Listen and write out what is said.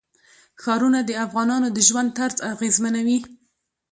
ښارونه د افغانانو د ژوند طرز اغېزمنوي.